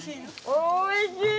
おいしい。